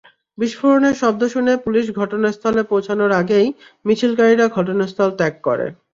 বিস্ফোরণের শব্দ শুনে পুলিশ ঘটনাস্থলে পৌঁছানোর আগেই মিছিলকারীরা ঘটনাস্থল ত্যাগ করে।